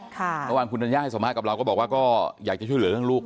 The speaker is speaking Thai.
เมื่อวานคุณธัญญาให้สัมภาษณ์กับเราก็บอกว่าก็อยากจะช่วยเหลือเรื่องลูก